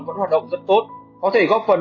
vẫn hoạt động rất tốt có thể góp phần